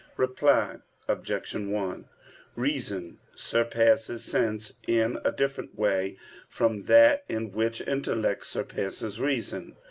Reply Obj. 1: Reason surpasses sense in a different way from that in which intellect surpasses reason.